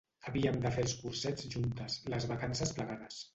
Havíem de fer els cursets juntes, les vacances plegades.